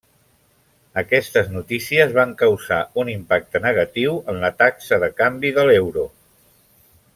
Aquestes notícies van causar un impacte negatiu en la taxa de canvi de l'euro.